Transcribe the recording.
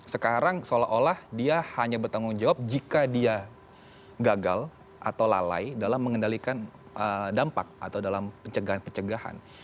sekarang seolah olah dia hanya bertanggung jawab jika dia gagal atau lalai dalam mengendalikan dampak atau dalam pencegahan pencegahan